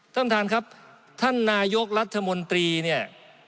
ท่านประธานครับท่านนายกรัฐมนตรีเนี่ย